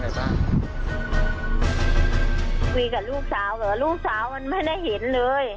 คุยกับลูกสาวเหรอลูกสาวมันไม่ได้เห็นเลย